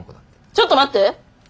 ちょっと待って！